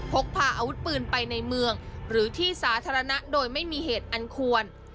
พกพาอาวุธปืนไปในเมืองหรือที่สาธารณะโดยไม่มีเหตุอันควร